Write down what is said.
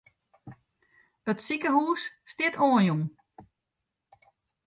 It sikehûs stiet oanjûn.